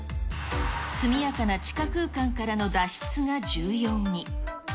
速やかな地下空間からの脱出が重要に。